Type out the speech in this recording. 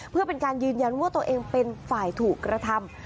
เพื่อเป็นการยืนยันว่าตัวเองเป็นฝ่ายถูกกระทำ